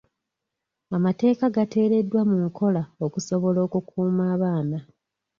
Amateeka gateereddwa mu nkola okusobola okukuuma abaana.